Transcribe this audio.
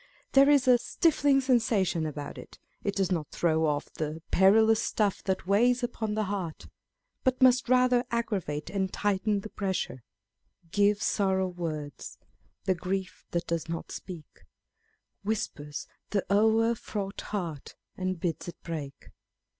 There is a stifling sensation about it. It does not throw off " the perilous stun0 that weighs upon the heart," but must rather aggravate and tighten the pressure. Give sorrow words ; the grief that does not speak, '"Whispers the o'cr fraught heart, and bids it break.